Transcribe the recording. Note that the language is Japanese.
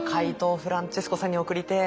フランチェスコさんに送りてえ。